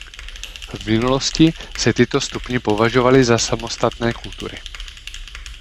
V minulosti se tyto stupně považovaly za samostatné kultury.